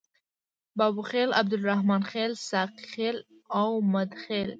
بابوخیل، عبدالرحمن خیل، ساقي خیل او مده خیل.